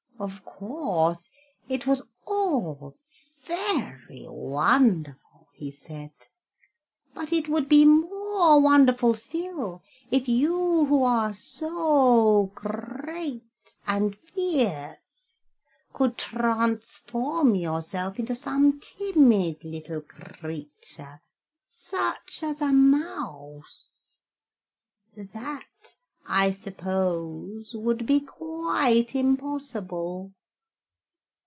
"Of course, it was all very wonderful," he said, "but it would be more wonderful still if you, who are so great and fierce, could transform yourself into some timid little creature, such as a mouse. That, I suppose, would be quite impossible?"